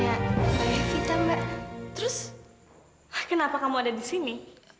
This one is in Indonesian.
ya udah aku tunggu di sini